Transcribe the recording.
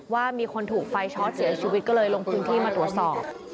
ว่ามีคนถูกไฟช็อตเสียชีวิตก็เลยลงพื้นที่มาตรวจสอบ